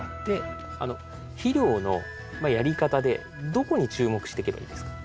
肥料のやり方でどこに注目していけばいいですか？